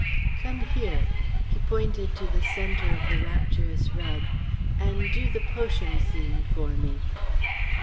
"Come here" he pointed to the centre of the rapturous rug "and do the potion scene for me."